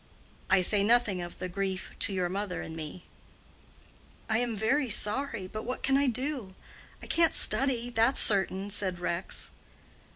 I say nothing of the grief to your mother and me." "I'm very sorry; but what can I do? I can't study—that's certain," said Rex.